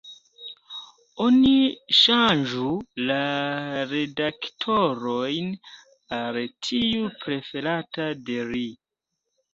Oni ŝanĝu la redaktorojn al tiu preferata de li.